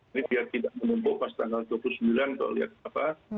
ini biar tidak menumpuk pas tanggal dua puluh sembilan kalau lihat apa